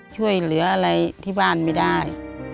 ช่วยเหลืออะไรที่บ้านไม่ได้